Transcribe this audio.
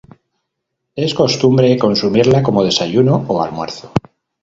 Es costumbre consumirla como desayuno o almuerzo.